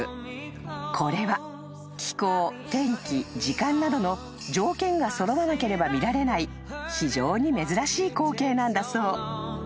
［これは気候天気時間などの条件が揃わなければ見られない非常に珍しい光景なんだそう］